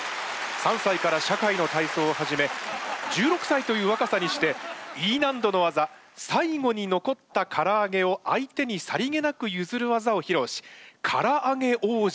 ３歳から社会の体操を始め１６歳というわかさにしてＥ難度の技「最後に残ったからあげを相手にさりげなくゆずる技」をひろうしからあげ王子とよばれました。